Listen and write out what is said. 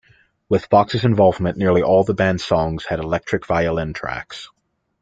With Fox's involvement, nearly all of the band's songs had electric violin tracks.